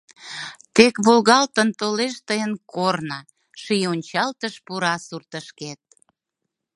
Тек волгалтын толеш тыйын корно, Ший ончалтыш пура суртышкет.